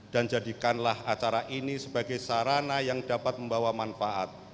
dan jadikanlah acara ini sebagai sarana yang dapat membawa manfaat